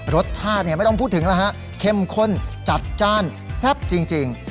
รสชาติไม่ต้องพูดถึงแล้วฮะเข้มข้นจัดจ้านแซ่บจริง